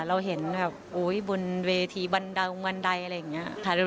เราเห็นแบบบนเวทีบรรดังบันไดอะไรอย่างนี้